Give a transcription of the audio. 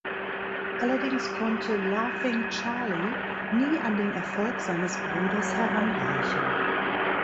Allerdings konnte Laughing Charley nie an den Erfolg seines Bruders heranreichen.